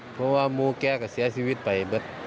เพราะว่ามูแกก็เสียชีวิตไป